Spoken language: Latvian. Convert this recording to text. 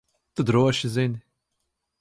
Tu droši zini?